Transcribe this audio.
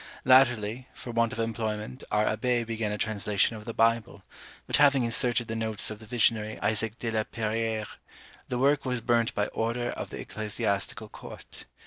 _ Latterly, for want of employment, our Abbé began a translation of the Bible; but having inserted the notes of the visionary Isaac de la Peyrere, the work was burnt by order of the ecclesiastical court.